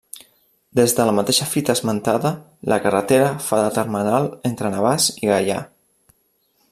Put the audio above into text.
Des de la mateixa fita esmentada, la carretera fa de termenal entre Navàs i Gaià.